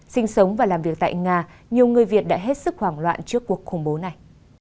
sinh sống và làm việc tại nga nhiều người việt đã hết sức hoảng loạn trước cuộc khủng bố này